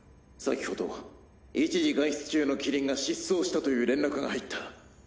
先ほど一時外出中のキリンが失踪したという連絡が入った。